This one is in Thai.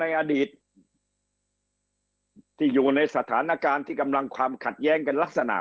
อดีตที่อยู่ในสถานการณ์ที่กำลังความขัดแย้งกันลักษณะ